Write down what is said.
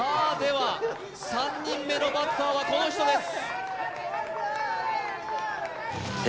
３人目のバッターはこの人です。